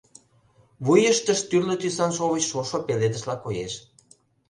Вуйыштышт тӱрлӧ тӱсан шовыч шошо пеледышла коеш.